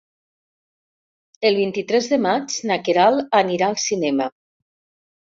El vint-i-tres de maig na Queralt anirà al cinema.